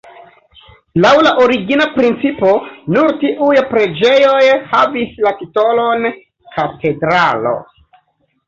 Laŭ la origina principo, nur tiuj preĝejoj havis la titolon katedralo.